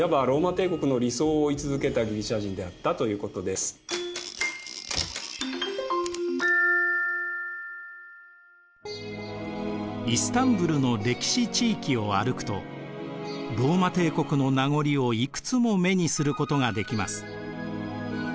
いわばイスタンブルの歴史地域を歩くとローマ帝国の名残をいくつも目にすることができます。